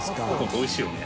おいしいよね。